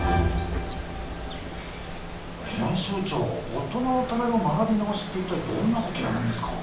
オトナのための学び直しって一体どんなことやるんですか？